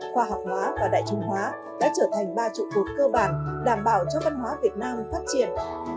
khoa học hóa và đại trung hóa đã trở thành ba trụ cột cơ bản đảm bảo cho văn hóa việt nam phát triển